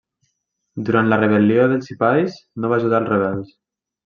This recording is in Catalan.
Durant la rebel·lió dels Sipais no va ajudar als rebels.